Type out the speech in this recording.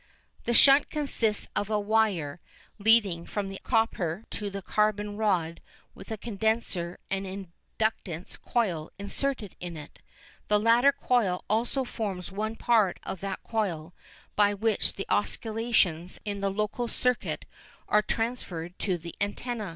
The shunt consists of a wire leading from the copper to the carbon rod with a condenser and an inductance coil inserted in it. The latter coil also forms one part of that coil by which the oscillations in the local circuit are transferred to the antenna.